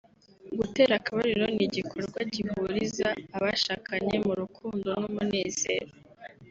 Gutera akabariro ni igikorwa gihuriza abashakanye mu rukundo n’umunezero